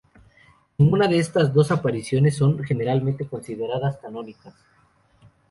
Ninguna de estas dos apariciones son generalmente consideradas canónicas.